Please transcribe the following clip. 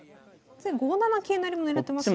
５七桂成も狙ってますね。